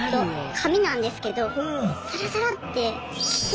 髪なんですけどサラサラって！